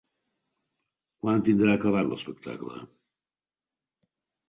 Quan tindrà acabat l'espectacle?